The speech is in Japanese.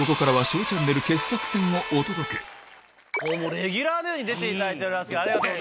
レギュラーのように出ていただいてありがとうございます。